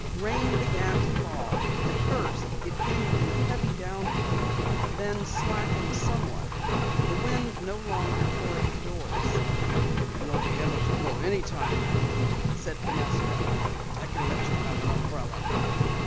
Rain began to fall. At first it came in a heavy downpour, then slackened somewhat. The wind no longer tore at the doors. "You'll be able to go any time now," said Fenestra. "I can let you have an umbrella."